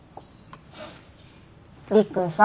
りっくんさ